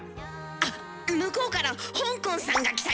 あっ向こうからほんこんさんが来たよ。